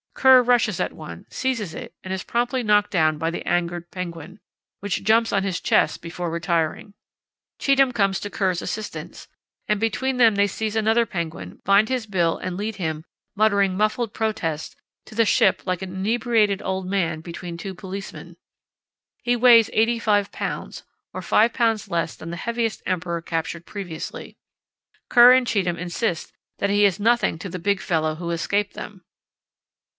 Kerr rushes at one, seizes it, and is promptly knocked down by the angered penguin, which jumps on his chest before retiring. Cheetham comes to Kerr's assistance; and between them they seize another penguin, bind his bill and lead him, muttering muffled protests, to the ship like an inebriated old man between two policemen. He weighs 85 lbs., or 5 lbs. less than the heaviest emperor captured previously. Kerr and Cheetham insist that he is nothing to the big fellow who escaped them."